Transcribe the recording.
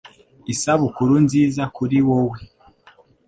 Isabukuru nziza kuri wowe